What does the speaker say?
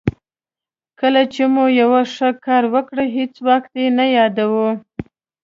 کله چې مو یو ښه کار وکړ هېڅوک یې نه یادوي.